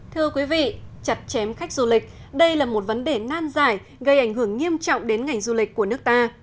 thưa quý vị chặt chém khách du lịch đây là một vấn đề nan giải gây ảnh hưởng nghiêm trọng đến ngành du lịch của nước ta